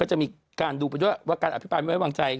จะมีการดูไปด้วยว่าการอภิปรายไม่ไว้วางใจ